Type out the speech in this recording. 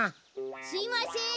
すいません！